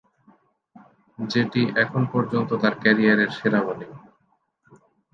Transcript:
যেটি এখন পর্যন্ত তার ক্যারিয়ারের সেরা বোলিং।